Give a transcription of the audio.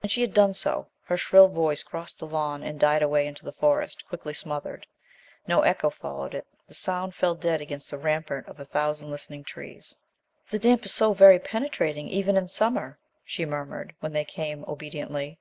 And she had done so. Her shrill voice crossed the lawn and died away into the Forest, quickly smothered. No echo followed it. The sound fell dead against the rampart of a thousand listening trees. "The damp is so very penetrating, even in summer," she murmured when they came obediently.